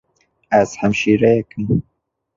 Ez hemşîreyek im.